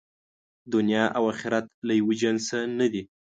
دنیا او آخرت له یوه جنسه نه دي.